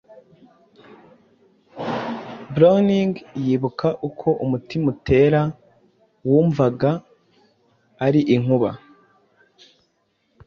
Browning yibuka uko umutima utera wumvaga ari “inkuba